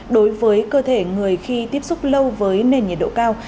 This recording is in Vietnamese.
đối với cơ thể người khi tiếp xúc lâu với nền nhiệt độ cao